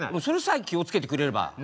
それさえ気を付けてくれれば。